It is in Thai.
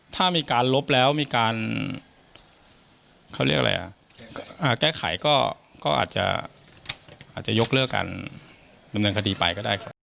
ถ้ามีการลบแล้วมีการเขาเรียกอะไรอ่ะแก้ไขก็อาจจะยกเลิกการดำเนินคดีไปก็ได้ครับ